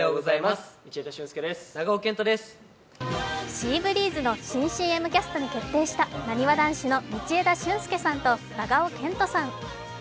シーブリーズの新ＣＭキャストに決定したなにわ男子の道枝駿佑さんと長尾謙杜さん。